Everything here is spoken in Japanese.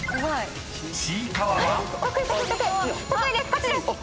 こっちです！